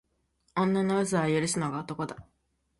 女の嘘は許すのが男だ